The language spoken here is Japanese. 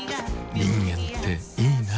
人間っていいナ。